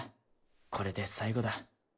これで最後だ。